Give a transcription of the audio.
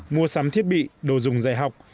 mua sắm thiết bị đồ dùng dạy học